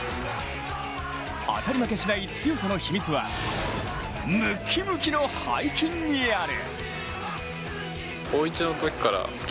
当たり負けしない強さの秘密はムキムキの背筋にある。